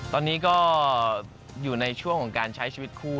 ตอนนี้ก็อยู่ในช่วงของการใช้ชีวิตคู่